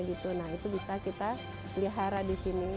itu bisa kita pelihara di sini